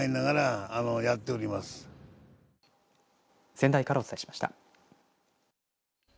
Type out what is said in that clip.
仙台からお伝えしました。